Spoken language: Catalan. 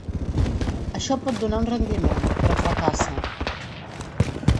Això pot donar un rendiment, però fracassa.